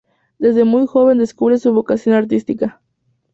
Desde muy joven descubre su vocación artística.